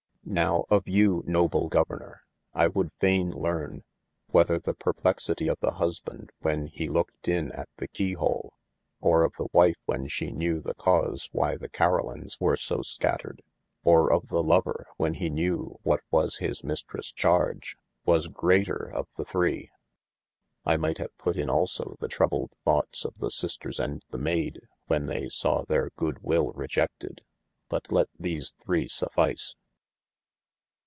Now, of you noble Governor I would faine lerne, whether the perplexity of the husband when he looked in at the keye hoole, or of the wife when she knewe the cause why the Carolines were so scattered, or of the lover when he knew what was his mistres charge, was greater of ye three ? I might have put in also ye troubled thoughts of the sisters & the mayd, when they saw their good wil rejected, but let these three suffice.